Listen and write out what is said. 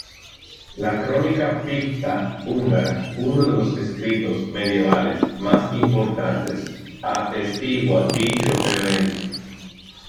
La "crónica picta húngara", uno de los escritos medievales más importantes, atestigua dicho evento.